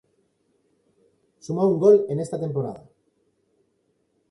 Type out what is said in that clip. Sumó un gol en esta temporada.